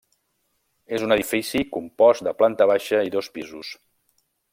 És un edifici compost de planta baixa i dos pisos.